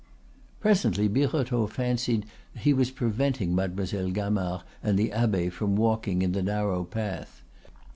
Presently Birotteau fancied he was preventing Mademoiselle Gamard and the abbe from walking in the narrow path.